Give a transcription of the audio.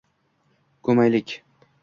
ko’maylik.